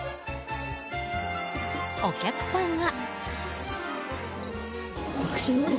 お客さんは。